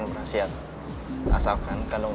lo lagi ketawa mau irut gue